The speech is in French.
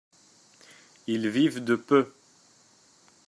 Ils vivent de peu.